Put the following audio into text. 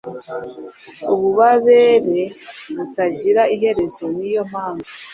Ububabare butagira iherezo ni yo mpamvu